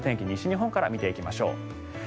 西日本から見ていきましょう。